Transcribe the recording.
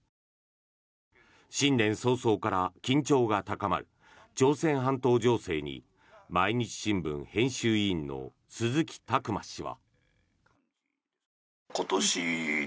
新年早々から緊張が高まる朝鮮半島情勢に毎日新聞編集委員の鈴木琢磨氏は。